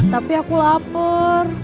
tapi aku lapar